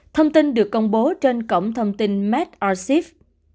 thông tin được công bố trên cổng thông tin medarchive